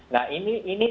nah ini dikombinasikan